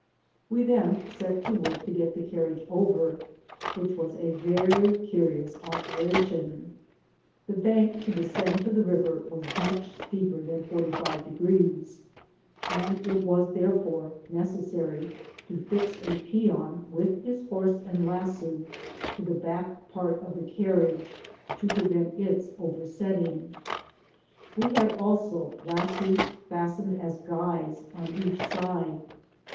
We then set to w<M*k to get the carriage over, whldi was a yery curious op^ation. The bank to descend to the riv«' was much steeper than 46®, and it was therefore necessary to fix a peon, with bis hcrseand lasso, to the back part of the cfuriage, to prev^t its oversetting; we had also lassos fts* tened as guys on each side.